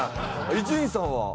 伊集院さんは？